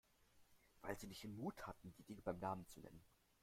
Weil Sie nicht den Mut hatten, die Dinge beim Namen zu nennen.